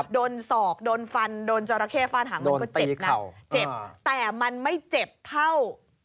โดนศอกโดนฟันโดนจรเข้ฟ้าถามก็เจ็บนะแต่มันไม่เจ็บเท่า